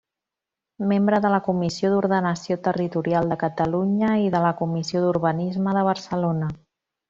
Membre de la Comissió d’Ordenació Territorial de Catalunya i de la Comissió d’Urbanisme de Barcelona.